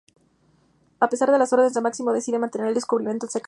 A pesar de las órdenes de Máximo, decide mantener el descubrimiento en secreto.